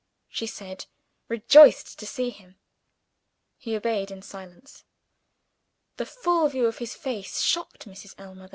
she said, rejoiced to see him. He obeyed in silence. The full view of his face shocked Mrs. Ellmother.